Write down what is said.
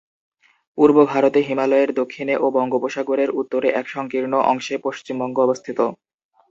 পূর্ব ভারতে হিমালয়ের দক্ষিণে ও বঙ্গোপসাগরের উত্তরে এক সংকীর্ণ অংশে পশ্চিমবঙ্গ অবস্থিত।